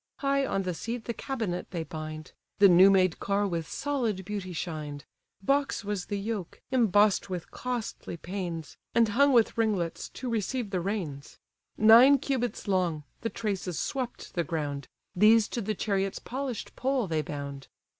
High on the seat the cabinet they bind: The new made car with solid beauty shined; Box was the yoke, emboss'd with costly pains, And hung with ringlets to receive the reins; Nine cubits long, the traces swept the ground: These to the chariot's polish'd pole they bound.